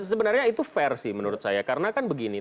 sebenarnya itu fair sih menurut saya karena kan begini